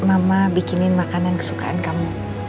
kamu mau gak nanti mama bikinin makanan kesukaan kamu